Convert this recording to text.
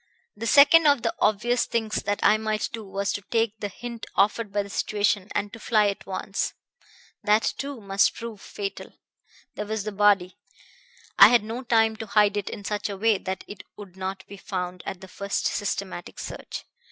"The second of the obvious things that I might do was to take the hint offered by the situation, and to fly at once. That too must prove fatal. There was the body. I had no time to hide it in such a way that it would not be found at the first systematic search.